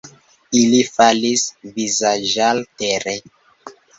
Ili falis vizaĝaltere.